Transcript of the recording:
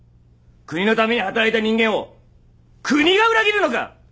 国のために働いた人間を国が裏切るのか！